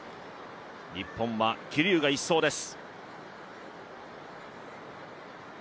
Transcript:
日本は桐生が１走です。